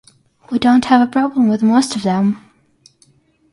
We don't have a problem with most of them.